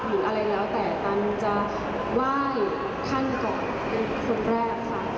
หรืออะไรแล้วแต่ตันจะไหว้ท่านก่อนเป็นคนแรกค่ะ